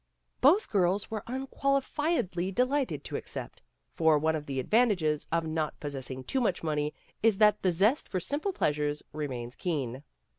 Both girls were unqualifiedly delighted to accept, for one of the advantages of not possessing too much money is that the zest for simple pleasures remains keen.